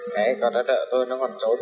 cái con đó đợi tôi nó còn trốn